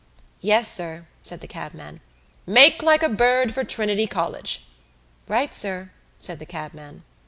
"Yes, sir," said the cabman. "Make like a bird for Trinity College." "Right, sir," said the cabman.